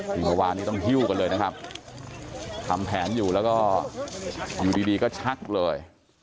คือเมื่อวานนี้ต้องหิ้วกันเลยนะครับทำแผนอยู่แล้วก็อยู่ดีก็ชักเลย